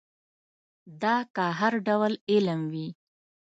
دا که هر ډول علم وي.